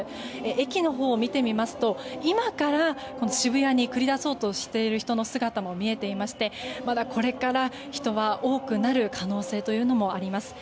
駅のほうを見てみますと今から渋谷に繰り出そうとしている人の姿も見えていまして、まだこれから人は多くなる可能性もあります。